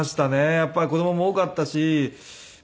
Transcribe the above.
やっぱり子供も多かったしま